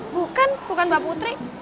bukan bukan mbak putri